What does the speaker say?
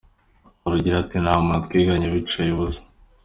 Rugira ati “Nta muntu twiganye wicaye ubusa.